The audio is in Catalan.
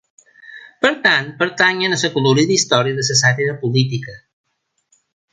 Per tant, pertanyen a l'acolorida història de la sàtira política.